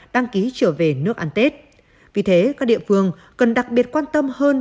đăng ký trở về nước ăn tết vì thế các địa phương cần đặc biệt quan tâm hơn